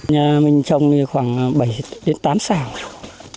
nhà mình trồng khoảng bảy tám sản